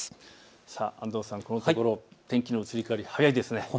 安藤さん、このところ天気の移り変わり、早いですね。